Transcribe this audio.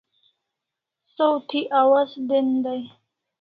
Saw thi awaz den dai